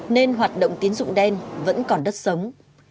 nên hoạt động tín dụng đen vẫn còn đất sống